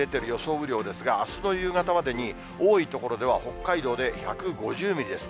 雨量ですが、あすの夕方までに、多い所では北海道で１５０ミリです。